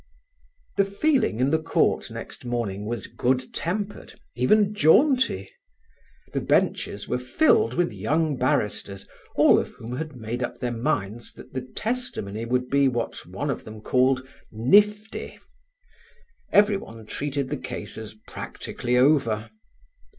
The feeling in the court next morning was good tempered, even jaunty. The benches were filled with young barristers, all of whom had made up their minds that the testimony would be what one of them called "nifty." Everyone treated the case as practically over.